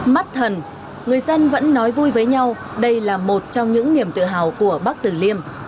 mắt thần người dân vẫn nói vui với nhau đây là một trong những niềm tự hào của bắc tử liêm